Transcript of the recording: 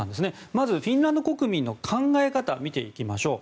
まずフィンランド国民の考え方を見ていきましょう。